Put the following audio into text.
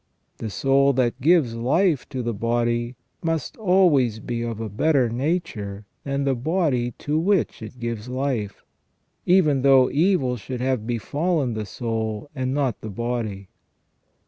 The soul that gives life to the body must always be of a better nature than the body to which it gives life, even though evil should have befallen the soul and not the body.